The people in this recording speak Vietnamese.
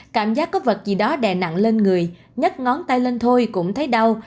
cảm giác có vật gì đó đè nặng lên người nhắc ngón tay lên thôi cũng thấy đau